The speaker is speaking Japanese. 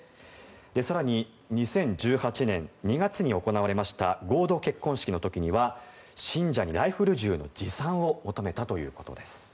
更に２０１８年２月に行われました合同結婚式の時には信者にライフル銃の持参を求めたということです。